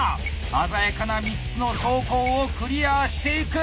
鮮やかな３つの走行をクリアしていく！